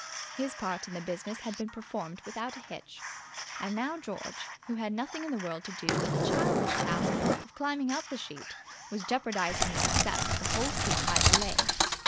His part in the business had been performed without a hitch. And now George, who had nothing in the world to do but the childish task of climbing up the sheet, was jeopardizing the success of the whole scheme by delay.